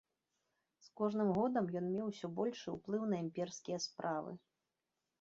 З кожным годам ён меў усё больш уплыў на імперскія справы.